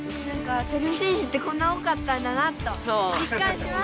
てれび戦士ってこんな多かったんだなとじっかんしました。